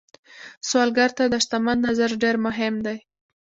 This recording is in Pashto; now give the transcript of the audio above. سوالګر ته د شتمن نظر ډېر مهم دی